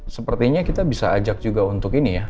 sepertinya kita bisa ajak juga untuk ini ya